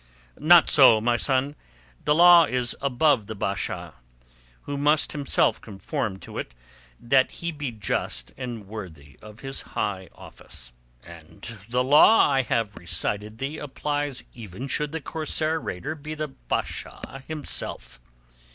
"Not so, my son. The law is above the Basha, who must himself conform to it so that he be just and worthy of his high office. And the law I have recited thee applies even should the corsair raider be the Basha himself.